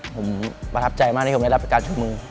ผมพระทับใจมากได้รับการช่วยมือ